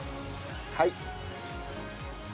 はい。